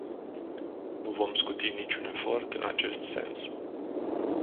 Nu vom scuti niciun efort în acest sens.